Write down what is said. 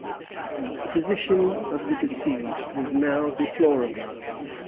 The position of the besieged was now deplorable.